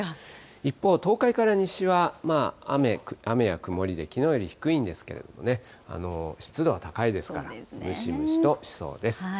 一方、東海から西は、雨や曇りできのうより低いんですけれどもね、湿度は高いですから、ムシムシとしそうです。